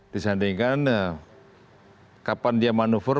disandingkan kapan dia manuver